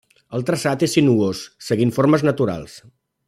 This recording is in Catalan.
El traçat és sinuós seguint formes naturals.